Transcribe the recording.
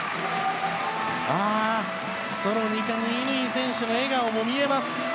ソロ２冠の乾選手の笑顔も見えます。